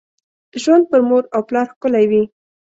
ژوند پر مور او پلار ښکلي وي .